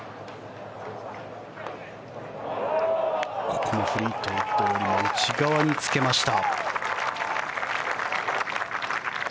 ここもフリートウッドよりも内側につけました。